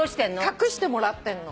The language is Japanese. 隠してもらってるの。